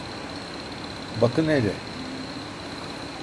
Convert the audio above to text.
Bakın hele!